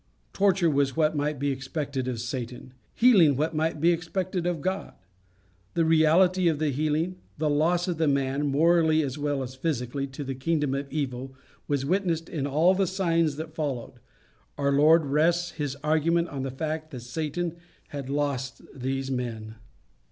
Torture was what might be expected of Satan; healing what might be expected of God. The reality of the healing, the loss of the man, morally as well as physically, to the kingdom of evil, was witnessed in all the signs that followed. Our Lord rests his argument on the fact that Satan had lost these men.